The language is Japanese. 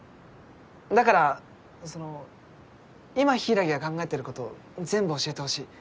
だからその今柊が考えてることを全部教えてほしい。